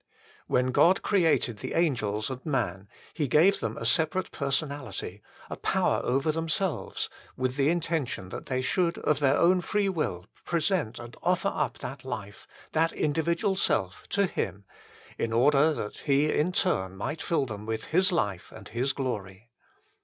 When God created the angels and man, He gave them a separate personality, a power over themselves, with the intention that they should of their own free will present and offer up that life, that individual self, to Him, in order that He in turn might fill them with His life and His glory.